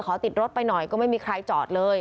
ติดรถไปหน่อยก็ไม่มีใครจอดเลย